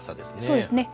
そうですね。